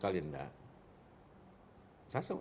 tidak sama sekali tidak